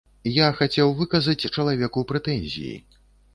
Я хацеў выказаць чалавеку прэтэнзіі.